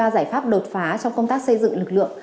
ba giải pháp đột phá trong công tác xây dựng lực lượng